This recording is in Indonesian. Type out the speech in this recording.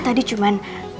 apaiamente ya sih